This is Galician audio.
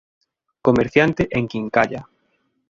Comerciante en quincalla.